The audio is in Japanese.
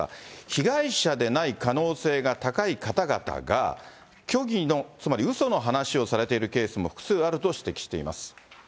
被害者でない可能性が高い方々が虚偽の、つまりうその話をされているケースも複数あると指摘しています。